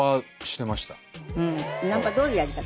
ナンパどういうやり方？